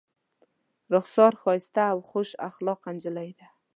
رخسار ښایسته او خوش اخلاقه نجلۍ ده.